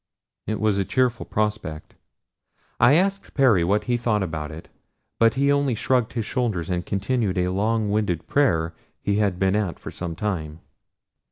It was a cheerful prospect. I asked Perry what he thought about it; but he only shrugged his shoulders and continued a longwinded prayer he had been at for some time.